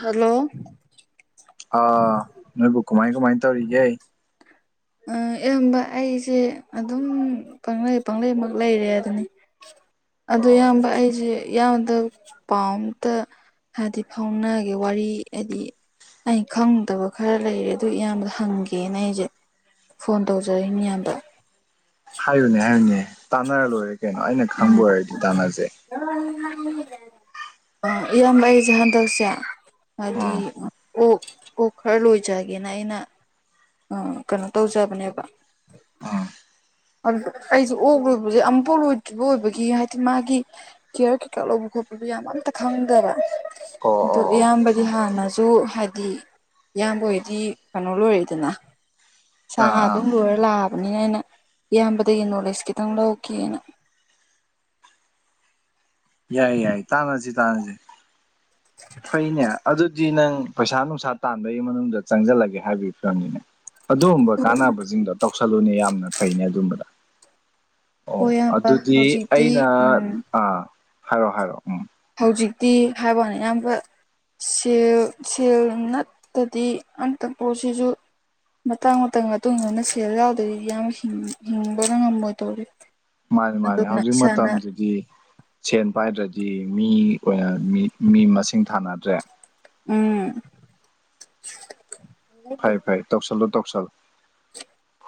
hello ꯑꯥ ꯅꯣꯏꯕꯨ ꯀꯃꯥꯏ ꯀꯃꯥꯏ ꯇꯧꯔꯤꯒꯦ ꯑꯥ ꯏꯌꯥꯝꯕ ꯑꯩꯁꯦ ꯑꯗꯨꯝ ꯄꯪꯂꯩꯃꯛ ꯄꯪꯂꯩꯃꯛ ꯂꯩꯔꯦ ꯑꯗꯨꯅꯤ ꯑꯗꯣ ꯑꯣ ꯏꯌꯥꯝꯕ ꯑꯩꯁꯦ ꯏꯌꯥꯝꯗ ꯄꯥꯎ ꯑꯝꯇ ꯍꯥꯏꯗꯤ ꯐꯥꯎꯅꯒꯦ ꯋꯥꯔꯤ ꯍꯥꯏꯗꯤ ꯑꯩ ꯈꯪꯗꯕ ꯈꯔ ꯂꯩꯔꯦ ꯑꯗꯨ ꯏꯌꯥꯝꯕꯗ ꯍꯪꯒꯦꯅ ꯑꯩꯁꯦ ꯐꯣꯟ ꯇꯧꯖꯔꯛꯢꯅꯦ ꯏꯌꯥꯝꯗ ꯍꯥꯏꯌꯨꯅꯦ ꯍꯥꯏꯌꯨꯅꯦ ꯇꯥꯟꯅꯔ ꯂꯣꯏꯔꯦ ꯀꯩꯅꯣ ꯑꯩꯅ ꯈꯪꯕ ꯑꯣꯏꯔꯗꯤ ꯇꯥꯟꯅꯖꯦ ꯏꯌꯥꯝꯕ ꯑꯩꯁꯦ ꯍꯟꯗꯛꯁꯦ ꯍꯥꯏꯗꯤ ꯎꯝ ꯑꯣ ꯑꯣꯛ ꯈꯔ ꯂꯣꯏꯖꯒꯦꯅ ꯑꯩꯅ ꯑꯥ ꯀꯩꯅꯣ ꯇꯧꯖꯕꯅꯦꯕ [inaudible] ꯎꯝ ꯑꯗꯨ ꯑꯩꯁꯦ ꯑꯣꯛ ꯂꯣꯏꯕꯁꯦ ꯑꯃꯨꯛꯐꯥꯎ ꯂꯣꯏꯗ꯭ꯔꯤꯕ ꯑꯣꯏꯕꯒꯤ ꯍꯥꯏꯗꯤ ꯃꯥꯒꯤ ꯀꯤꯌꯔ ꯀꯩꯀꯥ ꯂꯧꯕ ꯈꯣꯠꯄ ꯑꯗꯨ ꯌꯥꯝꯕ ꯑꯝꯇ ꯈꯪꯗꯕ ꯑꯣ ꯑꯗꯨ ꯑꯣ ꯑꯣ ꯏꯌꯥꯝꯕ ꯍꯣꯢꯗꯤ ꯎꯝ ꯍꯥꯟꯅꯁꯨ ꯍꯥꯏꯗꯤ ꯏꯌꯥꯝꯕ ꯑꯣꯏꯗꯤ ꯀꯩꯅꯣ ꯂꯣꯏꯔꯛꯏꯗꯅ ꯁꯥ ꯑꯥ ꯉꯥ ꯑꯥ ꯑꯗꯨꯝ ꯂꯣꯏꯔ ꯂꯥꯛꯑ ꯕꯅꯤꯅ ꯑꯩꯅ ꯏꯌꯥꯝꯕꯗꯒꯤ ꯅꯣꯂꯦꯁ ꯈꯤꯇꯪ ꯂꯧꯒꯦꯅ [inaudible] ꯌꯥꯏ ꯌꯥꯏ ꯇꯥꯟꯅꯁꯤ ꯇꯥꯟꯅꯁꯤ ꯐꯩꯅꯦ ꯑꯗꯨ ꯗꯤ ꯅꯪ ꯄꯩꯁꯥ ꯅꯨꯡꯁꯥ ꯇꯥꯟꯕꯒꯤ ꯃꯅꯨꯡꯗ ꯆꯪꯖꯜꯂꯒꯦ ꯍꯥꯏꯕꯤꯒꯤ ꯐꯤꯕꯝꯅꯤꯅꯦ ꯑꯗꯨꯒꯨꯝꯕ ꯀꯥꯟꯅꯕꯁꯤꯡꯗꯣ ꯇꯧꯁꯜꯂꯨꯅꯦ ꯌꯥꯝꯅ ꯐꯩꯅꯦ ꯑꯗꯨꯝꯕꯗꯣ ꯑꯣ ꯍꯣꯏ ꯏꯌꯥꯝꯕ ꯑꯗꯨꯗꯤ ꯍꯧꯖꯤꯛꯇꯤ ꯑꯩꯅ ꯎꯝ ꯑꯥ ꯍꯥꯏꯔꯛꯑꯣ ꯍꯥꯏꯔꯛꯑꯣ ꯎꯝ ꯍꯧꯖꯤꯛꯇꯤ ꯍꯥꯏꯕ ꯋꯥꯅꯦ ꯏꯌꯥꯝꯕ ꯁꯦꯜ ꯁꯦꯜ ꯅꯠꯇꯗꯤ ꯑꯝꯇ ꯄꯣꯠꯁꯤꯁꯨ ꯃꯇꯥꯡ ꯃꯇꯝ ꯃꯇꯨꯡ ꯏꯟꯅ ꯁꯦꯜ ꯌꯥꯎꯗꯗꯤ ꯏꯌꯥꯝ ꯍꯤꯡ ꯍꯤꯡꯕꯒ ꯉꯝꯃꯣꯏꯗꯧꯔꯤ ꯃꯥꯅꯤ ꯃꯥꯅꯤ ꯑꯗꯨꯅ ꯍꯧꯖꯤꯛ ꯏꯁꯥꯅ ꯃꯇꯝꯁꯤꯗꯤ ꯁꯦꯟ ꯄꯥꯏꯗ꯭ꯔꯗꯤ ꯃꯤ ꯑꯣꯢꯅ ꯃꯤ ꯃꯤ ꯃꯁꯤꯡ ꯊꯥꯅꯗ꯭ꯔꯦ ꯎꯝ ꯐꯩ ꯐꯩ ꯇꯧꯁꯜꯂꯨ ꯇꯧꯁꯜꯂꯨ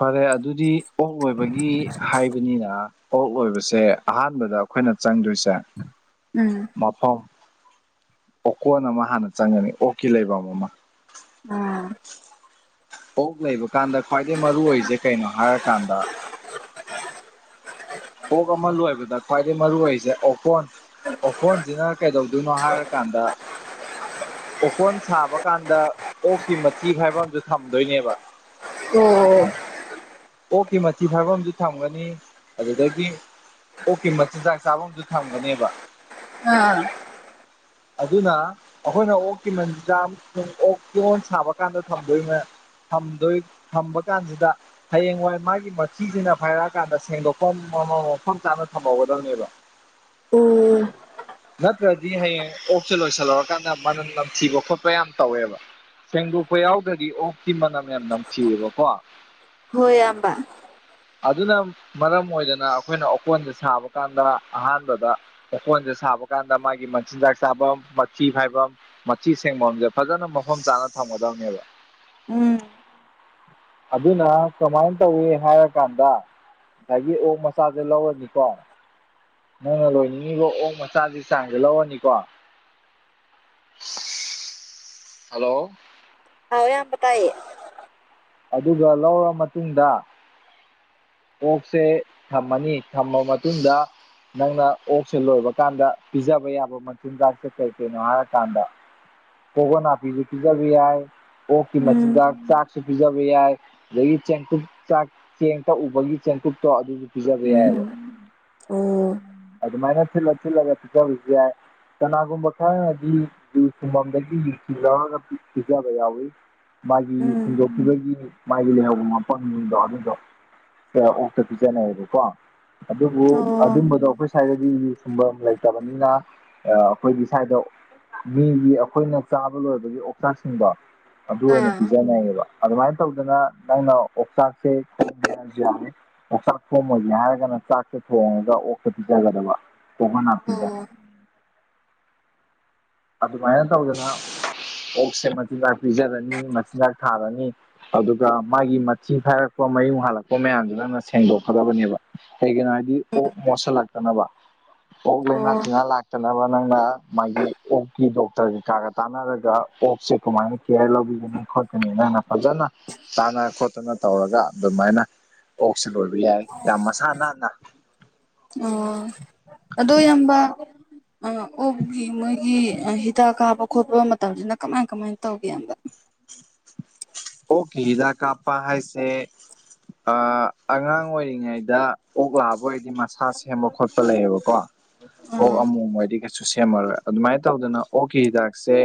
ꯐꯔꯦ ꯑꯗꯨꯗꯤ ꯑꯣꯛ ꯂꯣꯏꯕꯒꯤ ꯍꯥꯏꯕꯅꯤꯅ ꯑꯣꯛ ꯂꯣꯏꯕꯁꯦ ꯑꯍꯥꯟꯕꯗ ꯑꯈꯣꯏꯅ ꯆꯪꯗꯣꯏꯁꯦ ꯎꯝ ꯃꯐꯝ ꯑꯣꯀꯣꯟ ꯑꯃ ꯍꯥꯟꯅ ꯆꯪꯒꯅꯤ ꯑꯣꯛꯀꯤ ꯂꯩꯕꯝ ꯑꯃ ꯎꯝ ꯑꯣꯛ ꯂꯩꯕ ꯀꯥꯟꯗ ꯈ꯭ꯋꯥꯏꯗꯩ ꯃꯔꯨ ꯑꯣꯏꯖꯦ ꯀꯩꯅꯣ ꯍꯥꯏꯔꯀꯥꯟꯗ ꯑꯣꯛ ꯑꯃ ꯂꯣꯢꯕꯗ ꯈ꯭ꯋꯥꯥꯏꯗꯩ ꯃꯔꯨ ꯑꯣꯢꯁꯦ ꯑꯣꯀꯣꯟ ꯑꯣꯀꯣꯟꯖꯤꯅ ꯀꯩꯗꯧꯗꯣꯏꯅꯣ ꯍꯥꯏꯔꯀꯥꯟꯗ ꯑꯣꯀꯣꯟ ꯁꯥꯕ ꯀꯥꯟꯗ ꯑꯣꯛꯀꯤ ꯃꯊꯤ ꯐꯥꯢꯕꯝꯖꯨ ꯊꯝꯗꯣꯏꯅꯦꯕ ꯑꯣ ꯑꯣꯛꯀꯤ ꯃꯊꯤ ꯐꯥꯢꯐꯝꯖꯨ ꯊꯝꯒꯅꯤ ꯑꯗꯨꯗꯒꯤ ꯑꯣꯛꯀꯤ ꯃꯆꯤꯟꯖꯥꯛ ꯆꯥꯐꯝꯖꯨ ꯊꯝꯒꯅꯦꯕ ꯑꯥ ꯑꯗꯨꯅ ꯑꯈꯣꯏꯅ ꯑꯣꯛꯀꯤ ꯃꯆꯤꯟꯖꯥꯛ ꯑꯃꯁꯨꯡ ꯑꯣꯛ ꯀꯣꯟ ꯁꯥꯕ ꯀꯥꯟꯗ ꯊꯝꯗꯣꯏꯕ ꯊꯝꯗꯣꯏ ꯊꯝꯕ ꯀꯥꯟꯖꯤꯗ ꯍꯌꯦꯡꯋꯥꯏ ꯃꯥꯒꯤ ꯃꯊꯤꯖꯤꯅ ꯐꯥꯏꯔꯛꯑꯀꯥꯟꯗ ꯁꯦꯡꯗꯣꯛꯄꯝ ꯃꯥ ꯃꯥ ꯃꯐꯝ ꯆꯥꯅ ꯊꯝꯍꯧꯒꯗꯕꯅꯦꯕ ꯎꯝ ꯅꯠꯇ꯭ꯔꯗꯤ ꯍꯌꯦꯡ ꯑꯣꯛꯁꯦ ꯂꯣꯏꯁꯤꯜꯂꯨꯔꯀꯥꯟꯗ ꯃꯅꯝ ꯅꯝꯊꯤꯕ ꯈꯣꯠꯄ ꯌꯥꯝ ꯇꯧꯋꯦꯕ ꯁꯦꯡꯗꯣꯛꯄ ꯌꯥꯎꯗ꯭ꯔꯗꯤ ꯑꯣꯛꯇꯤ ꯃꯅꯝ ꯌꯥꯝ ꯅꯝꯊꯤꯌꯦꯕꯀꯣ ꯍꯣꯏ ꯌꯥꯝꯕ ꯑꯗꯨꯅ ꯃꯔꯝ ꯑꯣꯏꯗꯅ ꯑꯈꯣꯏꯅ ꯑꯣꯀꯣꯟꯖꯦ ꯁꯥꯕ ꯀꯥꯟꯗ ꯑꯍꯥꯟꯕꯗ ꯑꯣꯀꯣꯟꯖꯦ ꯁꯥꯕ ꯀꯥꯟꯗ ꯃꯥꯒꯤ ꯃꯆꯤꯟꯖꯥꯛ ꯆꯥꯕꯝ ꯃꯊꯤ ꯐꯥꯏꯕꯝ ꯃꯊꯤ ꯁꯦꯡꯕꯝꯖꯦ ꯐꯖꯅ ꯃꯐꯝ ꯆꯥꯅ ꯊꯝꯒꯗꯕ ꯅꯦꯕ ꯎꯝ ꯑꯗꯨꯅ ꯀꯃꯥꯏꯟ ꯇꯧꯏ ꯍꯥꯏꯔ ꯀꯥꯟꯗ ꯉꯁꯥꯢꯒꯤ ꯑꯣꯛ ꯃꯆꯥꯖꯦ ꯂꯧꯔꯅꯤꯀꯣ ꯅꯪꯅ ꯂꯣꯏꯅꯤꯡꯉꯤꯕ ꯑꯣꯛ ꯃꯆꯥꯖꯤ ꯆꯥꯡꯖꯦ ꯂꯧꯔꯅꯤꯀꯣ [inaudible] ꯍꯜꯂꯣ ꯑꯧ ꯏꯌꯥꯝꯕ ꯇꯥꯏꯌꯦ ꯑꯗꯨꯒ ꯂꯧꯔ ꯃꯇꯨꯡꯗ ꯑꯣꯛꯁꯦ ꯊꯝꯃꯅꯤ ꯊꯝꯃ ꯃꯇꯨꯡꯗ ꯅꯪꯅ ꯑꯣꯛꯁꯦ ꯂꯣꯏꯕ ꯀꯥꯟꯗ ꯄꯤꯖꯕ ꯌꯥꯕ ꯃꯆꯤꯟꯖꯥꯛꯁꯦ ꯀꯩ ꯀꯩꯅꯣ ꯍꯥꯏꯔꯀꯥꯟꯗ ꯀꯣꯕꯣꯅꯥꯄꯤꯖꯨ ꯄꯤꯖꯕ ꯌꯥꯏ ꯑꯣꯛꯀꯤ ꯎꯝ ꯃꯆꯤꯟꯖꯥꯛ ꯆꯥꯛꯁꯨ ꯄꯤꯖꯕ ꯌꯥꯏ ꯑꯗꯨꯗꯒꯤ ꯆꯦꯡꯀꯨꯞ ꯆꯥꯛ ꯆꯦꯡ ꯇꯛꯎ ꯃꯣꯏꯒꯤ ꯆꯦꯡꯀꯨꯞꯇꯣ ꯑꯗꯨꯁꯨ ꯄꯤꯖꯕ ꯌꯥꯏꯑꯕ ꯎꯝ ꯑꯣ ꯑꯗꯨꯃꯥꯏꯅ ꯊꯤꯠꯂ ꯊꯤꯠꯂꯒ ꯄꯤꯖꯕꯖꯨ ꯌꯥꯢ ꯀꯅꯥꯒꯨꯝꯕ ꯈꯔ ꯗꯤ ꯌꯨ ꯁꯨꯡꯕꯝꯗꯒꯤ ꯌꯨꯊꯤ ꯂꯧꯔꯒ ꯄꯤ ꯄꯤꯖꯕ ꯌꯥꯎꯋꯤ ꯃꯥꯒꯤ ꯎꯝ ꯁꯤꯟꯗꯣꯛꯄꯤꯕꯒꯤ ꯃꯥꯒꯤ ꯂꯩꯍꯧꯕ ꯃꯐꯝꯅꯤꯗꯣ ꯑꯗꯨꯗꯣ ꯑꯣꯛꯇ ꯄꯤꯖꯅꯩꯌꯦꯕꯀꯣ ꯑꯗꯨꯕꯨ ꯑꯣ ꯑꯗꯨꯝꯕꯗꯣ ꯑꯈꯣꯏ ꯁ꯭ꯋꯥꯏꯗꯗꯤ ꯌꯨ ꯁꯨꯝꯕ ꯂꯩꯇꯕꯅꯤꯅ ꯑꯈꯣꯏꯗꯤ ꯁ꯭ꯋꯥꯏꯗ ꯃꯤꯒꯤ ꯑꯈꯣꯏꯅ ꯆꯥꯕ ꯂꯣꯏꯕꯒꯤ ꯑꯣꯛꯆꯥꯛꯁꯤꯡꯗꯣ ꯑꯗꯨ ꯑꯣꯏꯅ ꯑꯥ ꯄꯤꯖꯅꯩꯌꯦꯕ ꯑꯗꯨꯃꯥꯏꯅ ꯇꯧꯗꯅ ꯅꯪꯅ ꯑꯣꯛꯆꯥꯛꯁꯦ ꯈꯣꯝꯒꯦ ꯍꯥꯏꯗꯤ ꯌꯥꯔꯦ ꯑꯣꯛꯆꯥꯛ ꯈꯣꯝꯃꯣꯢꯒꯦ ꯍꯥꯏꯔꯒꯅ ꯆꯥꯛꯁꯦ ꯊꯣꯡꯉꯒ ꯑꯣꯛꯇ ꯄꯤꯖꯒꯗꯕ ꯇꯣꯡꯉꯥꯟꯅ ꯄꯤꯕ ꯑꯣ ꯑꯗꯨꯃꯥꯏꯅ ꯇꯧꯗꯅ ꯑꯣꯛꯁꯦ ꯃꯆꯤꯟꯖꯥꯛ ꯄꯤꯖꯔꯅꯤ ꯃꯆꯤꯟꯖꯥꯛ ꯊꯥꯔꯅꯤ ꯑꯗꯨꯒ ꯃꯥꯒꯤ ꯃꯊꯤ ꯐꯥꯏꯔꯛꯄ ꯃꯌꯨꯡ ꯍꯥꯜꯂꯛꯄ ꯃꯌꯥꯝꯗꯨ ꯅꯪꯅ ꯁꯦꯡꯗꯣꯛꯀꯗꯕꯅꯦꯕ ꯀꯩꯒꯤꯅꯣ ꯍꯥꯏꯗꯤ ꯑꯣꯛ ꯃꯣꯠꯁꯜꯂꯛꯇꯅꯕ ꯑꯣꯛ ꯂꯩꯅꯥ ꯑꯣ ꯇꯤꯟꯅꯥ ꯂꯥꯛꯇꯅꯕ ꯅꯪꯅ ꯃꯥꯒꯤ ꯀꯤ ꯗꯣꯛꯇꯔ ꯀꯩꯀꯥꯒ ꯇꯥꯟꯅꯔꯒ ꯑꯣꯛꯁꯦ ꯀꯃꯥꯏꯅ ꯀꯦꯌꯔ ꯂꯧꯕꯤꯒꯅꯤ ꯈꯣꯠꯀꯅꯤ ꯅꯪꯅ ꯐꯖꯅ ꯇꯥꯅ ꯈꯣꯠꯇꯅ ꯇꯧꯔꯒ ꯑꯗꯨꯃꯥꯏꯅ ꯁꯦ ꯂꯣꯏꯕ ꯌꯥꯏ ꯌꯥꯝ ꯃꯁꯥ ꯅꯥꯟꯅ ꯑꯣ ꯑꯗꯣ ꯌꯝꯕ ꯑꯥ ꯑꯣꯒꯤ ꯃꯣꯏꯒꯤ ꯍꯤꯗꯥꯛ ꯀꯥꯕ ꯈꯣꯠꯄ ꯃꯇꯝꯗꯅ ꯀꯃꯥꯏ ꯀꯃꯥꯏꯅ ꯇꯧꯒꯦꯕ ꯑꯣꯛꯀꯤ ꯍꯤꯗꯥꯛ ꯀꯥꯞꯄ ꯍꯥꯏꯁꯦ ꯑꯥ ꯑꯉꯥꯡ ꯑꯣꯏꯔꯤꯉꯩꯗ ꯑꯣꯛ ꯂꯥꯕ ꯑꯣꯏꯗꯤ ꯃꯁ ꯁꯥ ꯁꯦꯝꯕ ꯈꯣꯠꯄ ꯂꯩꯌꯦꯕꯀꯣ ꯑ ꯑꯣꯛ ꯑꯃꯣꯝ ꯑꯣꯏꯗꯤ ꯀꯩ ꯁꯨ ꯁꯦꯝꯃꯔꯣꯏ ꯑꯗꯨꯃꯥꯏꯅ ꯇꯧꯗꯅ ꯑꯣꯛꯀꯤ ꯍꯤꯗꯥꯛꯁꯦ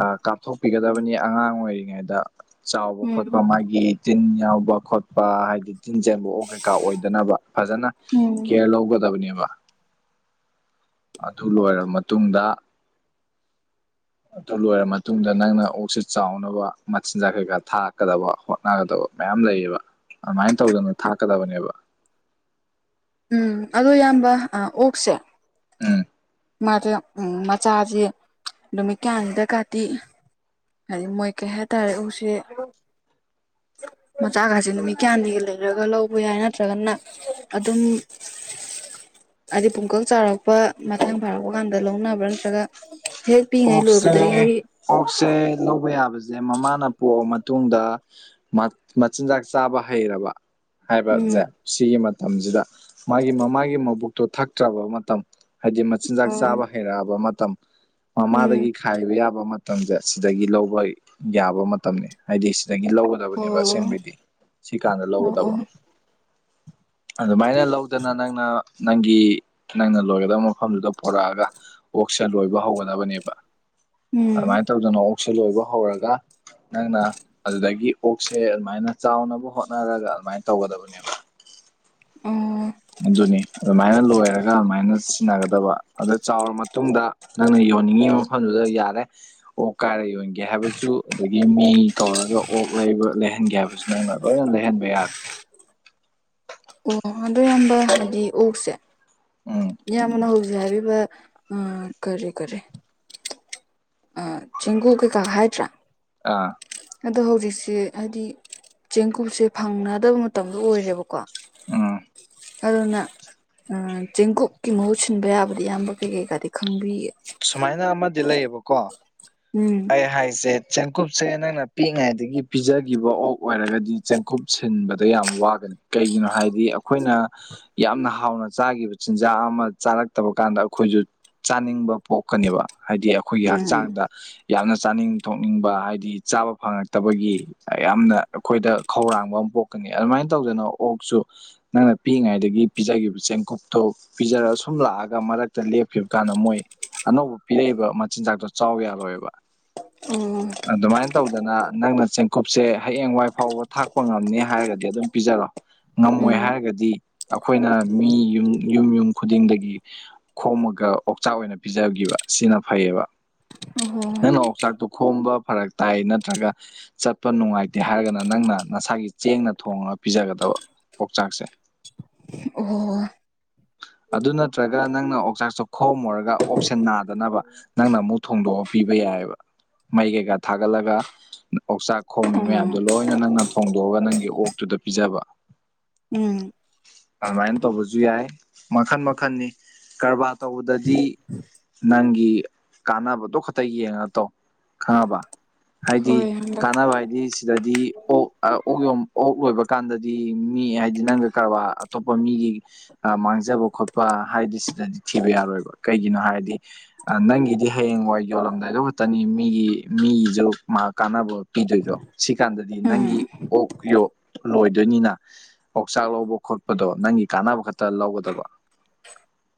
ꯑꯥ ꯀꯥꯞꯊꯣꯛꯄꯤꯒꯗꯕꯅꯤ ꯑꯉꯥꯡ ꯑꯣꯏꯔꯤꯉꯩꯗ ꯆꯥꯎꯕ ꯈꯣꯠꯄ ꯎꯝ ꯃꯥꯒꯤ ꯇꯤꯟ ꯌꯥꯎꯕ ꯈꯣꯠꯄ ꯍꯥꯏꯗꯤ ꯇꯤꯟ ꯆꯦꯟꯕ ꯑꯣꯛ ꯀꯩꯀꯥ ꯑꯣꯏꯗꯅꯕ ꯐꯖꯅ ꯎꯝ ꯀꯦꯌꯔ ꯂꯧꯒꯗꯕꯅꯦꯕ ꯑꯗꯨ ꯂꯣꯏꯔꯕ ꯃꯇꯨꯡꯗ ꯑꯗꯨ ꯂꯣꯏꯔ ꯃꯇꯨꯡꯗ ꯅꯪꯅ ꯑꯣꯛꯁꯤ ꯆꯥꯎꯅꯕ ꯃꯆꯤꯟꯖꯥꯛ ꯀꯩꯀꯥ ꯊꯥꯛꯀꯗꯕ ꯍꯣꯠꯅꯒꯗꯕ ꯃꯌꯥꯝ ꯂꯩꯌꯦꯕ ꯑꯗꯨꯃꯥꯏꯅ ꯇꯧꯗꯅ ꯊꯥꯛꯀꯗꯕꯅꯦꯕ ꯎꯝ ꯑꯗꯨ ꯏꯌꯥꯝꯕ ꯑꯥ ꯑꯣꯛꯁꯦ ꯎꯝ ꯃꯥꯁꯦ ꯎꯝ ꯃꯆꯥꯁꯦ ꯅꯨꯃꯤꯠ ꯀꯌꯥꯅꯤꯗ ꯀꯥꯇꯤ ꯍꯥꯏꯗꯤ ꯃꯣꯏ ꯀꯩ ꯍꯥꯏꯇꯥꯔꯦ ꯑꯣꯛꯁꯦ [inaudible] ꯃꯆꯥꯒꯁꯦ ꯅꯨꯃꯤꯠ ꯀꯌꯥꯅꯤꯒ ꯂꯩꯔꯒ ꯂꯧꯕ ꯌꯥꯏ ꯅꯠꯇ꯭ꯔꯒꯅ ꯑꯗꯨꯝ ꯍꯥꯏꯗꯤ ꯄꯨꯡꯀꯛ ꯆꯥꯔꯛꯄ ꯃꯇꯥꯡ ꯐꯥꯔꯛꯄ ꯀꯥꯟꯗ ꯂꯧꯅꯕ꯭ꯔꯥ ꯅꯠꯇ꯭ꯔꯒ ꯍꯦꯛ ꯄꯤꯛꯏꯉꯩ ꯑꯣꯛꯁꯦ ꯂꯣꯏꯕꯗꯒꯤ ꯑꯣꯛꯁꯦ ꯂꯧꯕ ꯌꯥꯕꯁꯦ ꯁꯦ ꯃꯃꯥꯅ ꯄꯣꯛꯂ ꯃꯇꯨꯡꯗ ꯃꯆꯤꯟꯖꯥꯛ ꯆꯥꯕ ꯍꯩꯔꯕ ꯎꯝ ꯍꯥꯏꯕꯖꯦ ꯁꯤꯒꯤ ꯃꯇꯝꯖꯤꯗ ꯃꯥꯒꯤ ꯃꯃꯥꯒꯤ ꯃꯕꯨꯛꯇꯣ ꯊꯛꯇ꯭ꯔꯕ ꯃꯇꯝ ꯍꯥꯏꯗꯤ ꯃꯆꯤꯟꯖꯥꯛ ꯑꯣ ꯆꯥꯕ ꯍꯩꯔꯛꯑꯕ ꯃꯇꯝ ꯎꯝ ꯃꯃꯥꯗꯒꯤ ꯈꯥꯏꯕ ꯌꯥꯕ ꯃꯠ ꯃꯇꯝꯁꯦ ꯁꯤꯗꯒꯤ ꯂꯧꯕ ꯌꯥꯕ ꯃꯇꯝꯅꯦ ꯍꯥꯏꯗꯤ ꯁꯤꯗꯒꯤ ꯑꯣ ꯂꯧꯒꯗꯕꯅꯦꯕ ꯑꯁꯦꯡꯕꯗꯤ ꯁꯤ ꯀꯥꯟꯗ ꯑꯣ ꯑꯣ ꯂꯧꯒꯗꯕ ꯑꯗꯨꯃꯥꯏꯅ ꯂꯧꯗꯅ ꯅꯪꯅ ꯅꯪꯒꯤ ꯅꯪꯅ ꯂꯣꯏꯒꯗꯕ ꯃꯐꯝꯗꯨꯗ ꯄꯣꯔꯛꯑꯒ ꯑꯣꯛꯁ ꯂꯣꯏꯕ ꯍꯧꯒꯗꯕꯅꯦꯕ ꯎꯝ ꯑꯗꯨꯃꯥꯏꯅ ꯇꯧꯗꯅ ꯑꯣꯛꯁꯦ ꯂꯣꯏꯕ ꯍꯧꯔꯒ ꯅꯪꯅ ꯑꯗꯨꯗꯒꯤ ꯑꯣꯛꯁꯦ ꯑꯗꯨꯃꯥꯏꯅ ꯆꯥꯎꯅꯕ ꯍꯣꯠꯅꯔꯒ ꯑꯗꯨꯃꯥꯏꯅ ꯇꯧꯒꯗꯕꯅꯦꯕ [inaudible] ꯑꯣ ꯑꯗꯨꯅꯤ ꯑꯗꯨꯃꯥꯏꯅ ꯂꯣꯏꯔꯒ ꯑꯃꯥꯏꯅ ꯁꯤꯟꯅꯒꯗꯕ ꯑꯗꯨ ꯆꯥꯎꯔ ꯃꯇꯨꯡꯗ ꯅꯪꯅ ꯌꯣꯟꯅꯤꯡꯉꯤ ꯃꯐꯝꯗꯨꯗ ꯌꯥꯔꯦ ꯑꯣꯛ ꯀꯥꯏꯔ ꯌꯣꯟꯒꯦ ꯍꯥꯏꯕꯁꯨ ꯑꯗꯒꯤ ꯃꯤ ꯇꯧꯔꯒ ꯑꯣꯛ ꯂꯩꯕ ꯂꯩꯍꯟꯒꯦ ꯍꯥꯏꯕꯁꯨ ꯅꯪꯅ ꯂꯣꯏ ꯂꯩꯍꯟꯕ ꯌꯥꯔꯦ [unintelligible] ꯎꯝ ꯁꯥꯏ ꯍꯥꯕꯤꯕ ꯑꯥ ꯀꯔꯤ ꯀꯔꯤ ꯑꯥ ꯆꯦꯡꯒꯨ ꯀꯩꯀꯥ ꯍꯥꯏꯗ꯭ꯔꯥ ꯑꯥ ꯑꯗꯣ ꯍꯧꯖꯤꯛꯁꯤ ꯍꯥꯏꯗꯤ ꯆꯦꯡꯀꯨꯞꯁꯦ ꯐꯪꯅꯗꯕ ꯃꯇꯝꯗꯣ ꯑꯣꯏꯔꯦꯕꯀꯣ ꯎꯝ ꯑꯗꯨꯅ ꯑꯥ ꯆꯦꯡꯀꯨꯞꯀꯤ ꯃꯍꯨꯠ ꯁꯤꯟꯕ ꯌꯥꯕꯗꯤ ꯏꯌꯥꯝꯕ ꯀꯩ ꯀꯩꯀꯥꯗꯤ ꯈꯪꯕꯤꯒꯦ ꯁꯨꯃꯥꯏꯅ ꯑꯃꯗꯤ ꯂꯩꯌꯦꯕꯀꯣ ꯎꯝ ꯑꯩ ꯍꯥꯏꯁꯦ ꯆꯦꯡꯀꯨꯞꯁꯦ ꯅꯪꯅ ꯄꯤꯛꯏꯉꯩꯗꯒꯤ ꯄꯤꯖꯈꯤꯕ ꯑꯣꯛ ꯑꯣꯏꯔꯒꯗꯤ ꯆꯦꯡꯀꯨꯞ ꯁꯤꯟꯕ ꯗ ꯌꯥꯝ ꯋꯥꯒꯅꯤ ꯀꯩꯒꯤꯅꯣ ꯍꯥꯏꯗꯤ ꯑꯩꯈꯣꯏꯅ ꯌꯥꯝꯅ ꯍꯥꯎꯅ ꯆꯥꯈꯤꯕ ꯆꯤꯟꯖꯥꯛ ꯑꯃ ꯆꯥꯔ ꯔꯛꯇꯕ ꯀꯥꯟꯗ ꯑꯩꯈꯣꯏꯁꯨ ꯆꯥꯅꯤꯡꯕ ꯄꯣꯛꯀꯅꯦꯕ ꯍꯥꯏꯗꯤ ꯑꯩꯈꯣꯏꯒꯤ ꯎꯝ ꯍꯛꯆꯥꯡꯗ ꯌꯥꯝꯅ ꯆꯥꯅꯤꯡ ꯊꯣꯛꯅꯤꯡꯕ ꯍꯥꯏꯗꯤ ꯆꯥꯕ ꯐꯪꯉꯛꯇꯕꯒꯤ ꯌꯥꯝꯅ ꯑꯩꯈꯣꯏꯗ ꯈꯧꯔꯥꯡꯕ ꯀꯅꯤ ꯑꯗꯨꯃꯥꯏꯟ ꯇꯧꯗꯅ ꯑꯣꯛꯁꯨ ꯅꯪꯅ ꯄꯤꯛꯏꯉꯩꯗꯒꯤ ꯄꯤꯖꯈꯤꯕ ꯆꯦꯡꯀꯨꯞꯇꯣ ꯄꯤꯖ ꯁꯨꯝ ꯂꯥꯛꯑꯒ ꯃꯔꯛꯇ ꯂꯦꯞꯈꯤꯕ ꯀꯥꯟꯗ ꯃꯣꯏ ꯑꯅꯧꯕ ꯄꯤꯔꯛꯏꯕ ꯃꯆꯤꯟꯖꯥꯛꯇꯣ ꯆꯥꯎ ꯌꯥꯔꯣꯏꯕ ꯎꯝ ꯑꯗꯨꯃꯥꯏꯅ ꯇꯧꯗꯅ ꯅꯪꯅ ꯆꯦꯡꯀꯨꯞꯁꯦ ꯍꯌꯦꯡꯋꯥꯏ ꯐꯥꯎꯕ ꯊꯥꯛꯄ ꯉꯝꯅꯤ ꯍꯥꯏꯔꯒꯗꯤ ꯑꯗꯨꯝ ꯄꯤꯖꯔꯣ ꯉꯝꯃꯣꯏ ꯎꯝ ꯍꯥꯏꯔꯒꯗꯤ ꯑꯩꯈꯣꯏꯅ ꯃꯤ ꯌꯨꯝ ꯌꯨꯝ ꯌꯨꯝ ꯈꯨꯗꯤꯡꯗꯒꯤ ꯈꯣꯃ ꯒ ꯑꯣꯛꯆꯥꯛ ꯑꯣꯏꯅ ꯄꯤꯖꯒꯤꯕ ꯁꯤꯅ ꯐꯩꯌꯦꯕ ꯑꯣ ꯍꯣ ꯅꯪꯅ ꯑꯣꯛꯆꯥꯛꯇꯨ ꯈꯣꯝꯕ ꯐꯔꯛ ꯇꯥꯏ ꯅꯠꯇ꯭ꯔꯒ ꯆꯠꯄ ꯅꯨꯡꯉꯥꯏꯇꯦ ꯍꯥꯏꯔꯒꯅ ꯅꯪꯅ ꯅꯁꯥꯒꯤ ꯆꯦꯡꯅ ꯊꯣꯡꯉ ꯄꯤꯖꯒꯗꯕ ꯑꯣꯛꯆꯥꯛꯁꯦ ꯑꯣꯑꯣ ꯑꯗꯨ ꯅꯠꯇ꯭ꯔꯒ ꯅꯪꯅ ꯑꯣꯛꯆꯥꯛꯁꯨ ꯈꯣꯝꯃꯨꯔꯒ ꯑꯣꯛꯁꯦ ꯅꯥꯗꯅꯕ ꯅꯪꯅ ꯑꯃꯨꯛ ꯊꯣꯡꯗꯣꯛꯑ ꯄꯤꯕ ꯌꯥꯏ ꯌꯥꯢꯕ ꯃꯩ ꯀꯩꯀꯥ ꯊꯥꯒꯠꯂꯒ ꯑꯣꯛꯆꯥꯛ ꯈꯣꯝꯃꯤ ꯃꯌꯥꯝꯗꯣ ꯂꯣꯏꯅ ꯅꯪꯅ ꯊꯣꯡꯗꯣꯛꯑꯒ ꯅꯪꯒꯤ ꯑꯣꯛꯇꯨ ꯗ ꯄꯤꯖꯕ ꯎꯝ ꯑꯗꯨꯃꯥꯏꯟ ꯇꯧꯕꯨꯁꯨꯨ ꯌꯥꯥꯏ ꯃꯈꯟ ꯃꯈꯟꯅꯤ ꯀꯔꯕꯥꯔ ꯇꯧꯕꯗꯗꯤ ꯅꯪꯒꯤ ꯀꯥꯟꯅꯕꯗꯣ ꯈꯛꯇ ꯌꯦꯡꯉ ꯇꯧ ꯈꯪꯉꯕ ꯍꯥꯏꯗꯤ ꯍꯣꯏ ꯀꯥꯟꯅꯕ ꯍꯥꯏꯗꯤ ꯁꯤꯗꯗꯤ ꯑꯣꯛ ꯑꯣꯛ ꯌ ꯑꯣꯛ ꯂꯣꯏꯕ ꯀꯥꯟꯗꯗꯤ ꯃꯤ ꯍꯥꯏꯗꯤ ꯅꯪꯒ ꯀꯔꯕꯥꯔ ꯑꯇꯣꯞꯄ ꯃꯤꯒꯤ [unintelligible] ꯖꯕ ꯈꯣꯠꯄ ꯍꯥꯏꯗꯤ ꯁꯤꯗꯗꯤ ꯊꯤꯕ ꯌꯥꯔꯣꯏꯕ ꯀꯩꯒꯤꯅꯣ ꯍꯥꯏꯔꯗꯤ ꯑꯥ ꯅꯪꯒꯤꯗꯤ ꯍꯌꯦꯡꯋꯥꯏ ꯌꯣ ꯂꯝꯗꯥꯏꯗꯨ ꯉꯠꯇꯅꯤ ꯃꯤꯒꯤ ꯃꯤꯒꯤꯖꯨꯛ ꯃꯥ ꯀꯥꯟꯅꯕ ꯄꯤꯗꯣꯏꯗꯣ ꯁꯤ ꯀꯥꯟꯗ ꯗꯤ ꯅꯪꯒꯤ ꯑꯣꯛ ꯄꯤꯌꯣ ꯂꯣꯏꯗꯣꯏꯅꯤꯅ ꯑꯣꯥꯛꯆꯥꯛ ꯂꯧꯕ ꯈꯣꯠꯄꯗꯣ ꯅꯪꯒꯤ ꯀꯥꯟꯅꯕ ꯈꯛꯇ ꯂꯧꯒ ꯇꯕ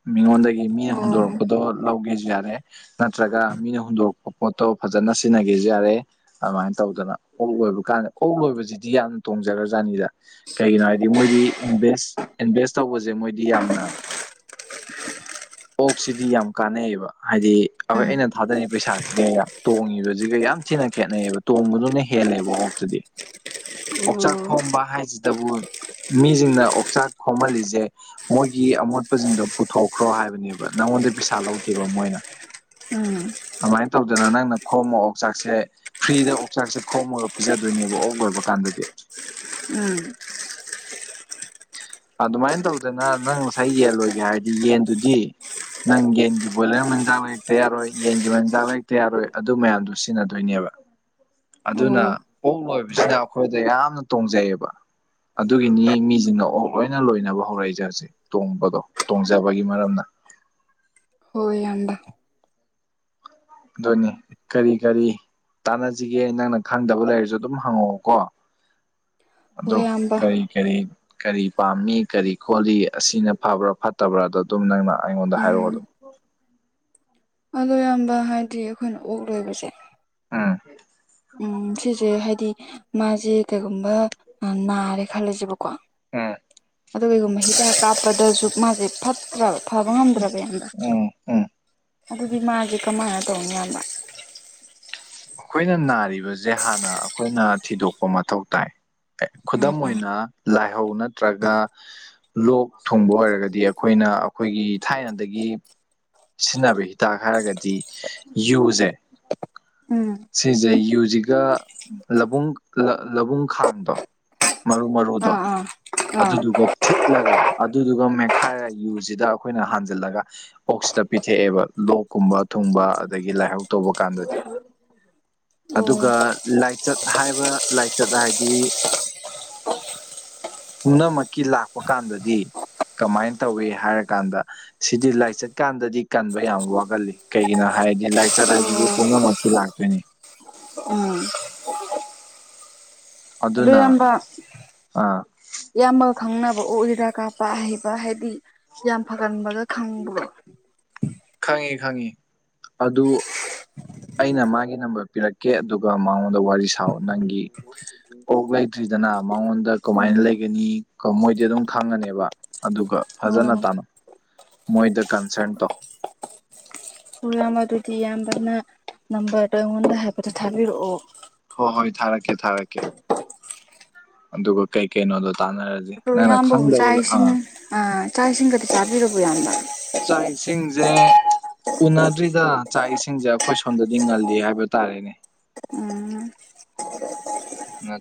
ꯃꯤꯉꯣꯟꯗꯒꯤ ꯃꯤꯅ ꯍꯨꯟꯗꯣꯔꯛꯄꯗꯣ ꯂꯧꯒꯦ ꯌꯥꯔꯦ ꯅꯠꯇ꯭ꯔꯒ ꯃꯤꯅ ꯍꯨꯟꯗꯣꯔꯛꯄ ꯄꯣꯠꯇꯣ ꯐꯖꯅ ꯁꯤꯟꯅꯒꯦꯁꯨ ꯌꯥꯔꯦ ꯑꯗꯨꯃꯥꯏꯟ ꯇꯧꯗꯅ ꯑꯣꯛ ꯂꯣꯏꯕ ꯀꯥꯟꯗ ꯑꯣꯛ ꯂꯣꯏꯕꯁꯤꯗꯤ ꯌꯥꯝꯅ ꯇꯣꯡꯖꯈ꯭ꯔꯖꯥꯅꯤꯗ ꯀꯩꯒꯤꯅꯣ ꯍꯥꯏꯗꯤ ꯃꯣꯏꯗꯤ ꯏꯟꯚꯦꯁ ꯏꯟꯚꯦꯁ ꯇꯧꯕꯁꯦ ꯃꯣꯏꯗꯤ ꯌꯥꯝꯅ [inaudible] ꯑꯣꯛꯁꯤꯗꯤ ꯌꯥꯝ ꯀꯥꯟꯅꯩꯑꯦꯕ ꯍꯥꯏꯗꯤ ꯑꯣꯏ ꯑꯩꯅ ꯊꯥꯗꯔꯤ ꯄꯩꯁꯥꯁꯤꯒ ꯌꯥ ꯇꯣꯡꯉꯤꯕꯁꯤꯒ ꯌꯥꯝ ꯊꯤꯅ ꯈꯦꯠꯅꯩꯌꯦꯕ ꯇꯣꯡꯕꯗꯨꯅ ꯍꯦꯜꯂꯦꯕ ꯑꯣꯛꯇꯗꯤ ꯑꯣꯛꯆꯥꯛ ꯈꯣꯝꯕ ꯍꯥꯏꯁꯤꯗꯕꯨ ꯃꯤꯁꯤꯡꯅ ꯑꯣꯛꯆꯥꯛ ꯈꯣꯝꯍꯜꯂꯤꯁꯦ ꯃꯣꯏꯒꯤ ꯑꯃꯣꯠꯄꯁꯤꯡꯗꯣ ꯄꯨꯊꯣꯛꯈ꯭ꯔꯣ ꯍꯥꯏꯕꯅꯦꯕ ꯅꯪꯉꯣꯟꯗ ꯄꯩꯁꯥ ꯂꯧꯗꯦꯕ ꯃꯣꯏꯅ ꯎꯝ ꯑꯗꯨꯃꯥꯏꯅ ꯇꯧꯗꯅ ꯅꯪꯅ ꯈꯣꯝꯃꯣ ꯑꯣꯛꯆꯥꯛꯁꯦ ꯐ꯭ꯔꯤꯗ ꯑꯣꯛꯆꯥꯛꯁꯦ ꯈꯣꯝꯃꯒ ꯄꯤꯖꯗꯣꯏꯅꯦꯕ ꯑꯣꯛ ꯂꯣꯏꯕ ꯀꯥꯟꯗ ꯀꯥꯟꯗꯗꯤ ꯑꯗꯨꯃꯥꯏꯅ ꯇꯧꯗꯅ ꯅꯪ ꯉꯁꯥꯏ ꯌꯦꯟ ꯂꯣꯏꯒꯦ ꯍꯥꯏꯔꯗꯤ ꯌꯦꯟꯗꯨꯗꯤ ꯅꯪ ꯌꯦꯟꯒꯤ ꯕꯣꯏꯂꯔ ꯃꯟꯖꯥꯛ ꯂꯩꯔꯛꯇ ꯌꯥꯔꯣꯏ ꯌꯦꯟꯒꯤ ꯃꯟꯖꯥꯛ ꯂꯩꯔꯛꯇ ꯌꯥꯔꯣꯏ ꯑꯗꯨ ꯃꯌꯥꯝꯗꯣ ꯁꯤꯖꯤꯟꯅꯗꯣꯏꯅꯦꯕ ꯑꯗꯨꯅ ꯑꯣꯛ ꯂꯣꯏꯕꯁꯤꯅ ꯑꯩꯈꯣꯏꯗ ꯌꯥꯝꯅ ꯇꯣꯡꯖꯩꯌꯦꯕ ꯑꯗꯨꯒꯤꯅꯤ ꯃꯤꯖꯤꯡꯅ ꯑꯣꯛ ꯂꯣꯏꯅ ꯂꯣꯏꯅꯕ ꯍꯧꯔꯛꯏꯖꯦ ꯍꯧꯖꯤꯛ ꯇꯣꯡꯕꯗꯣ ꯇꯣꯡꯖꯕꯒꯤ ꯃꯔꯝꯅ ꯑꯗꯨꯅꯤ ꯀꯔꯤ ꯀꯔꯤ ꯇꯥꯅꯖꯤꯒꯦ ꯅꯪꯅ ꯈꯪꯗꯕ ꯂꯩꯔꯖꯨ ꯑꯗꯨꯝ ꯍꯪꯉꯛꯑꯣꯀꯣ [inaudible] ꯑꯗꯣ ꯏꯌꯥꯝꯕ ꯀꯔꯤ ꯀꯔꯤ ꯀꯔꯤ ꯄꯥꯝꯃꯤ ꯀꯔꯤ ꯈꯣꯠꯂꯤ ꯑꯁꯤꯅ ꯐꯕ꯭ꯔ ꯐꯠꯇꯕ꯭ꯔꯗꯣ ꯗꯨꯝ ꯅꯪꯅ ꯑꯩꯉꯣꯟꯗ ꯍꯥꯏꯔꯛꯑꯣ ꯎꯝ ꯑꯗꯨꯝ [inaudible] ꯑꯗꯣ ꯏꯌꯥꯝꯕ ꯍꯥꯏꯗꯤ ꯑꯈꯣꯏꯅ ꯑꯣꯛ ꯂꯣꯏꯕꯖꯦ ꯑꯥ ꯎꯝ ꯁꯤꯖꯦ ꯍꯥꯏꯗꯤ ꯃꯥꯖꯦ ꯀꯩꯒꯨꯝꯕ ꯅꯥꯔꯦ ꯈꯜꯂꯖꯦꯕꯀꯣ ꯑꯥ ꯑꯗꯨꯒ ꯀꯩꯒꯨꯝꯕ ꯍꯤꯗꯥꯛ ꯀꯥꯞꯄꯗꯖꯨ ꯃꯥꯖꯦ ꯐꯠꯇ꯭ꯔꯕ ꯐꯕ ꯉꯝꯗ꯭ꯔꯕ ꯏꯌꯥꯝꯕ ꯎꯝ ꯎꯝ ꯑꯗꯨꯗꯤ ꯃꯥꯖꯦ ꯀꯃꯥꯏꯅ ꯇꯧꯅꯤ ꯏꯌꯥꯝꯕ ꯃꯈꯣꯏꯅ ꯅꯥꯔꯤꯕꯖꯦ ꯍꯥꯟꯅ ꯑꯈꯣꯏꯅ ꯊꯤꯗꯣꯛꯄ ꯃꯊꯧ ꯇꯥꯏ ꯑꯦ ꯈꯨꯗꯝ ꯑꯣꯏꯅ ꯂꯥꯏꯍꯧ ꯅꯠꯇ꯭ꯔꯒ ꯂꯣꯛ ꯊꯨꯡꯕ ꯑꯣꯏꯔꯒ ꯗꯤ ꯑꯈꯣꯏꯅ ꯑꯈꯣꯏꯒꯤ ꯊꯥꯏꯅꯗꯒꯤ ꯁꯤꯖꯤꯟꯅꯕ ꯍꯤꯗꯥꯛ ꯍꯥꯏꯔꯒ ꯗꯤ ꯌꯨ ꯖꯦ ꯎꯝ ꯁꯤꯖꯦ ꯌꯨꯖꯤꯒ ꯂꯕꯨꯡ ꯂꯕꯨꯡ ꯈꯥꯡꯗꯣ ꯃꯔꯨ ꯃꯔꯨꯗꯣ ꯑꯥ ꯑꯥ ꯑꯥ ꯑꯗꯨꯗꯨꯒ ꯊꯤꯠꯂꯒ ꯑꯗꯨꯗꯨꯒ ꯃꯦ ꯈꯥꯏꯔ ꯌꯨꯖꯤꯗ ꯑꯈꯣꯏꯅ ꯍꯥꯟꯖꯤꯜꯂꯒ ꯑꯣꯛꯁꯤꯗ ꯄꯤꯊꯛꯑꯦꯕ ꯂꯣꯛꯀꯨꯝꯕ ꯊꯨꯡꯕ ꯑꯗꯒꯤ ꯂꯥꯏꯍꯧ ꯇꯧꯕ ꯀꯥꯟꯗꯗꯤ ꯑꯣ ꯑꯗꯨꯒ ꯂꯥꯏꯆꯠ ꯍꯥꯏꯕ ꯂꯥꯏꯆꯠ ꯍꯥꯏꯗꯤ ꯄꯨꯝꯅꯃꯛꯀꯤ ꯂꯥꯛꯄ ꯀꯥꯟꯗꯗꯤ ꯀꯃꯥꯏꯅ ꯇꯧꯋꯤ ꯍꯥꯏꯔꯀꯥꯟꯗ ꯁꯤꯗꯤ ꯂꯥꯏꯆꯠꯀꯥꯟꯗꯗꯤ ꯀꯟꯕ ꯌꯥꯝ ꯋꯥꯒꯜꯂꯤ ꯀꯩꯒꯤꯅꯣ ꯍꯥꯏ ꯍꯥꯏꯗꯤ ꯂꯥꯏꯆꯠ ꯍꯥꯏꯁꯤꯗꯤ ꯑꯣ ꯄꯨꯝꯅꯃꯛꯀꯤ ꯂꯥꯛꯇꯣꯏꯅꯤ ꯎꯝ ꯑꯗꯣ ꯑꯗꯨꯅ ꯏꯌꯥꯝꯕ ꯑꯥ ꯏꯌꯥꯝꯕ ꯈꯪꯅꯕ ꯑꯣꯛ ꯍꯤꯗꯥꯛ ꯀꯥꯞꯄ ꯄ ꯍꯩꯕ ꯍꯥꯏꯗꯤ ꯌꯥꯝ ꯐꯒꯟꯕꯒ ꯈꯪꯕ꯭ꯔꯣ ꯈꯪꯉꯦ ꯈꯪꯉꯦ ꯑꯗꯨ ꯑꯩꯅ ꯃꯥꯒꯤ ꯅꯝꯕꯔ ꯄꯤꯔꯛꯀꯦ ꯑꯗꯨꯒ ꯃꯉꯣꯟꯗ ꯋꯥꯔꯤ ꯁꯥꯎ ꯅꯪꯒꯤ ꯑꯣꯛ ꯂꯩ ꯁꯤꯗꯅ ꯃꯉꯣꯟꯗ ꯀꯃꯥꯏꯅ ꯎꯝ ꯂꯩꯒꯅꯤ ꯃꯣꯏꯗꯤ ꯑꯗꯨꯝ ꯈꯪꯉꯅꯦꯕ ꯑꯗꯨꯒ ꯐꯖꯅ ꯑꯣ ꯇꯅꯧ ꯃꯣꯏꯗ ꯀꯟꯁꯔꯟ ꯇꯧ ꯍꯣꯏ ꯏꯌꯥꯝꯕ ꯑꯗꯨꯗꯤ ꯏꯌꯥꯝꯕꯅ ꯅꯝꯕꯔꯗꯣ ꯑꯩꯉꯣꯟꯗ ꯍꯥꯏꯐꯦꯇ ꯊꯥꯕꯤꯔꯛꯑꯣ ꯍꯣꯏ ꯍꯣꯏ ꯊꯥꯔꯛꯀꯦ ꯊꯥꯔꯛꯀꯦ ꯑꯗꯨꯒ ꯀꯩ ꯀꯩꯩꯅꯣꯗꯣ ꯑꯗꯣ ꯏꯌꯥꯝꯕꯕꯨ ꯆꯥꯛ ꯏꯁꯤꯡ ꯑꯥ ꯆꯥꯛ ꯏꯁꯤꯡꯒꯗꯤ ꯆꯥꯕꯤꯔꯕꯣ ꯏꯌꯥꯝꯕ ꯆꯥꯛ ꯏꯁꯤꯡꯖꯦ ꯎꯅꯗ꯭ꯔꯤꯗ ꯆꯥꯛ ꯏꯁꯤꯡꯖꯦ ꯑꯈꯣꯏ ꯁꯣꯝꯗꯗꯤ ꯉꯜꯂꯤ ꯍꯥꯏꯕ ꯇꯥꯔꯦꯅꯦ ꯑꯣ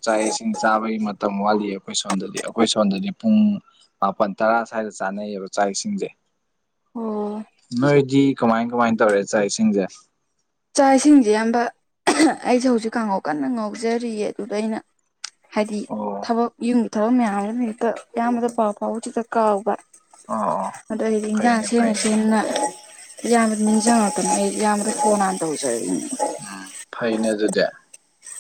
ꯆꯥꯛ ꯏꯁꯤꯡ ꯆꯥꯕꯒꯤ ꯃꯇꯝ ꯋꯥꯠꯂꯤ ꯑꯈꯣꯏ ꯁꯣꯝꯗꯗꯤ ꯑꯈꯣꯏ ꯁꯣꯟꯗꯗꯤ ꯄꯨꯡ ꯃꯥꯄꯜ ꯇꯔꯥ ꯇꯔꯥ ꯁꯥꯏꯗ ꯆꯥꯅꯩꯌꯦꯕ ꯆꯥꯛ ꯏꯁꯤꯡꯖꯦ [inaudible] ꯅꯣꯏꯗꯤ ꯀꯃꯥꯏ ꯀꯃꯥꯏ ꯇꯧꯔꯦ ꯆꯥꯛ ꯏꯁꯤꯡꯖꯦ ꯆꯥꯛ ꯏꯁꯤꯡꯖꯦ ꯏꯌꯥꯝꯕ ꯑꯩꯖꯦ ꯍꯧꯖꯤꯛ ꯀꯥꯡꯍꯧ ꯀꯟꯅ ꯉꯧꯖꯔꯤꯌꯦ ꯑꯗꯨꯒ ꯑꯩꯅ ꯍꯥꯏꯗꯤ ꯑꯣ ꯊꯕꯛ ꯌꯨꯝꯒꯤ ꯊꯕꯛ ꯃꯌꯥꯝ ꯑꯃ ꯍꯦꯛꯇ ꯑꯣ ꯑꯌꯥꯝꯕꯗ ꯄꯥꯎ ꯐꯥꯎꯕ ꯍꯦꯛꯇ ꯀꯥꯎꯕ ꯑꯣ ꯑꯗꯣ ꯑꯩꯗꯤ ꯏꯟꯖꯥꯡ ꯐꯩꯅꯦ ꯁꯦꯝꯅ ꯐꯩꯅꯦ ꯑ ꯁꯦꯝꯅ ꯏꯌꯥꯝꯕꯖꯦ ꯅꯤꯡꯖꯪꯉꯛꯇꯅ ꯑꯩ ꯏꯌꯥꯝꯕꯗ ꯐꯣꯟ ꯍꯥꯟ ꯇꯧꯖꯔꯛꯏꯅꯤ ꯎꯝ ꯐꯩꯅꯦ ꯑꯗꯨꯗꯤ